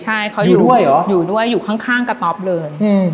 ใช่เขาอยู่ด้วยอยู่ด้วยอยู่ข้างกระต๊อบเลย